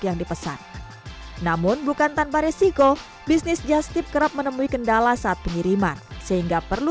yang dipesan namun bukan tanpa resiko bisnis just tip kerap menemui kendala saat pengiriman sehingga perlu